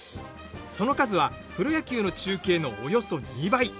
その数はプロ野球の中継のおよそ２倍。